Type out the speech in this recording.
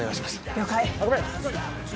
了解